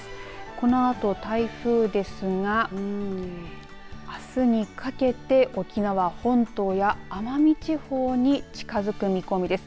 このあと台風ですがあすにかけて、沖縄本島や奄美地方に近づく見込みです。